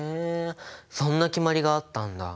そんな決まりがあったんだ。